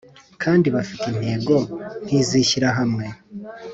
kandi bafite intego nk izishyirahamwe